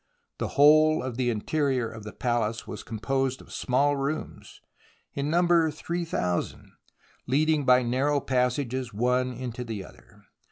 The whole of the interior of the palace was composed of small rooms, in number three thousand, leading by narrow passages one into the other.